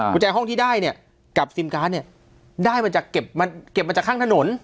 กุญแจห้องที่ได้เนี่ยกับซิมการ์ดเนี่ยได้มาจากเก็บมาจากข้างถนน